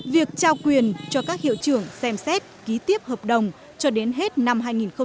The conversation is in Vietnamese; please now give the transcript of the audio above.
việc trao quyền cho các hiệu trường xem xét ký tiếp hợp đồng cho đến hết năm hai nghìn một mươi tám